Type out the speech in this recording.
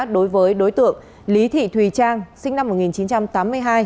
đối với đối tượng lý thị thùy trang sinh năm một nghìn chín trăm tám mươi hai